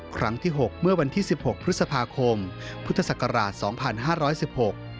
ครั้งที่๖เมื่อวันที่๑๖พฤศภาคมพุทธศักราช๒๕๑๖